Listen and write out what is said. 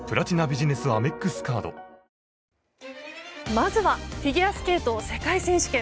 まずはフィギュアスケート世界選手権。